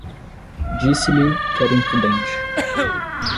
disse-lhe que era imprudente